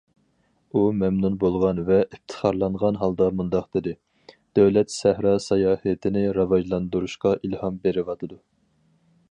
ئۇ مەمنۇن بولغان ۋە ئىپتىخارلانغان ھالدا مۇنداق دېدى: دۆلەت سەھرا ساياھىتىنى راۋاجلاندۇرۇشقا ئىلھام بېرىۋاتىدۇ.